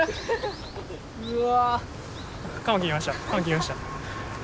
うわ。